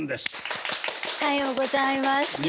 いやおはようございます。